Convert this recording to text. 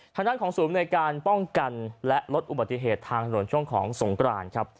ทางด้านของศูนย์ในการป้องกันและลดอุบัติเหตุทางถนนช่วงของสงกรานครับ